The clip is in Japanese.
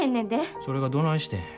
それがどないしてん。